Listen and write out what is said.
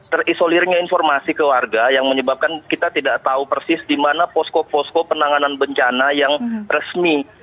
terisolirnya informasi ke warga yang menyebabkan kita tidak tahu persis di mana posko posko penanganan bencana yang resmi